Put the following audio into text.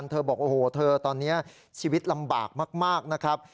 เธอบอกโอ้โหเธอตอนนี้ชีวิตลำบากมากนะครับ